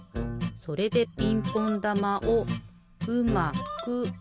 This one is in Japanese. それでピンポンだまをうまくつかむと。